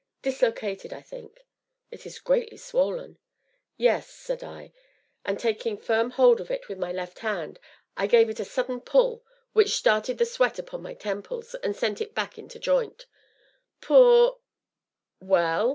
"Dislocated, I think." "It is greatly swollen!" "Yes," said I, and taking firm hold of it with my left hand, I gave it a sudden pull which started the sweat upon my temples, but sent it back into joint. "Poor " "Well?"